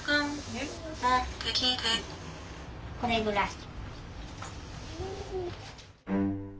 これぐらい。